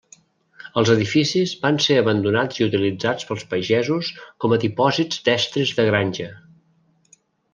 Els edificis van ser abandonats i utilitzats pels pagesos com a dipòsits d'estris de granja.